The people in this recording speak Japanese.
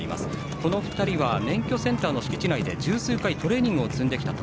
この２人は免許センターの敷地内で十数回トレーニングを積んできたと。